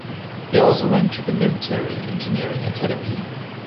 He also went to the military Engineering Academy.